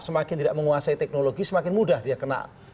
semakin tidak menguasai teknologi semakin mudah dia kena